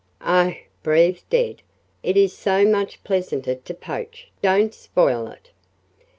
"Oh," breathed Ed, "it is so much pleasanter to poach don't spoil it."